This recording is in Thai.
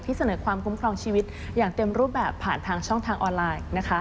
เสนอความคุ้มครองชีวิตอย่างเต็มรูปแบบผ่านทางช่องทางออนไลน์